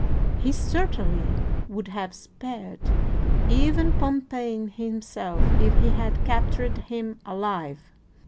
He certainly [would have spared] even [Pompey himself if] he had captured him alive.